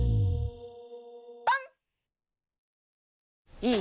いい？